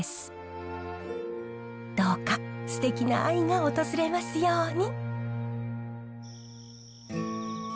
どうかすてきな愛が訪れますように！